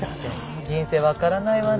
人生分からないわね。